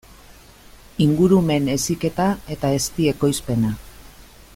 Ingurumen heziketa eta ezti ekoizpena.